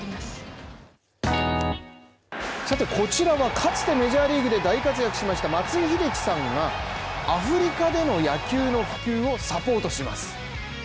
かつてメジャーリーグで大活躍しました松井秀喜さんがアフリカでの野球の普及をサポートします。